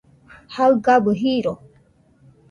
jaɨgabɨ jiro